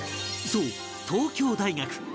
そう東京大学